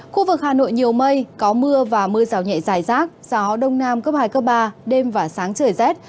khu vực hà nội nhiều mây có mưa và mưa rào nhẹ dài rác gió đông nam cấp hai cấp ba đêm và sáng trời rét